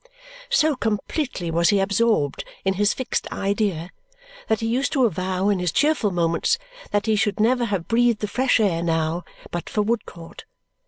So completely was he absorbed in his fixed idea that he used to avow in his cheerful moments that he should never have breathed the fresh air now "but for Woodcourt."